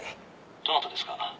「どなたですか？」